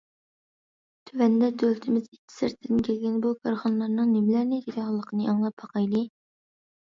تۆۋەندە، دۆلىتىمىز ئىچى- سىرتىدىن كەلگەن بۇ كارخانىلارنىڭ نېمىلەرنى دەيدىغانلىقىنى ئاڭلاپ باقايلى.